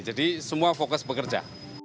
jadi semua fokus bekerja